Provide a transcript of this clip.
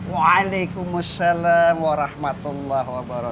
waalaikumsalam warahmatullahi wabarakatuh